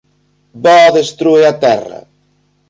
Boo destrúe a Terra.